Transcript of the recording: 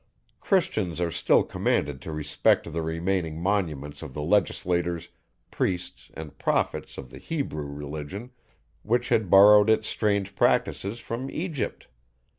Christians are still commanded to respect the remaining monuments of the legislators, priests, and prophets of the Hebrew Religion, which had borrowed its strange practices from Egypt.